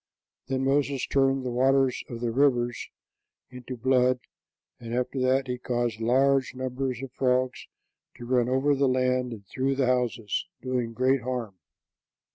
Then Moses turned the waters of the rivers into blood; and after that he caused large numbers of frogs to run over the land and through the houses, doing great harm.